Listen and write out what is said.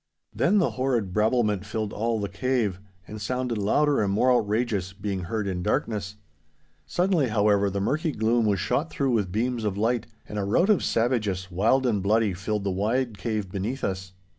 Then the horrid brabblement filled all the cave, and sounded louder and more outrageous, being heard in darkness. Suddenly, however, the murky gloom was shot through with beams of light, and a rout of savages, wild and bloody, filled the wide cave beneath us.